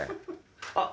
あっ。